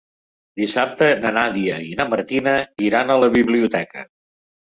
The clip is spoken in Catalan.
Dissabte na Nàdia i na Martina iran a la biblioteca.